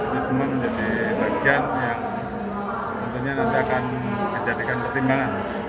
jadi semua menjadi bagian yang nanti akan menjadikan pertimbangan